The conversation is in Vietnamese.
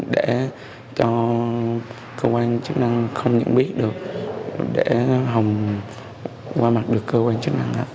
để cho cơ quan chức năng không nhận biết được để hồng qua mặt được cơ quan chức năng